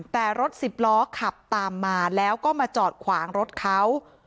แต่รถสิบล้อขับตามมาแล้วก็มาจอดขวางรถเขา